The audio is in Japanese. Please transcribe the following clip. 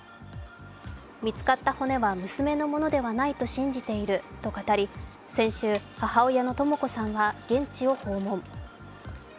見つかった骨は娘のものではないと信じていると語り、先週、母親のとも子さんは現地を訪問。